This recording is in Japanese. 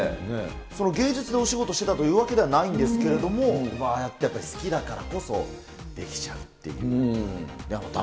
その芸術のお仕事をしてたというわけではないんですけども、ああやって好きだからこそできちゃうっていうのが。